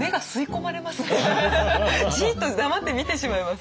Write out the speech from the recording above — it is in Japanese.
じっと黙って見てしまいます。